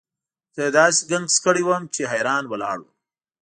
زه یې داسې ګنګس کړی وم چې حیران ولاړ وم.